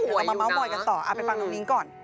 ชุดก็สวยอยู่นะเอาไปฟังน้องนิ้งก่อน